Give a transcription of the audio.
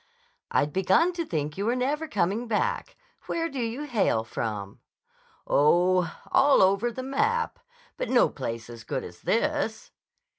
"I'd begun to think you were never coming back. Where do you hail from?" "Oh, all over the map. But no place as good as this."